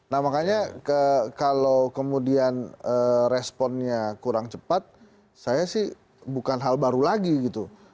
nah makanya kalau kemudian responnya kurang cepat saya sih bukan hal baru lagi gitu